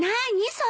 それ。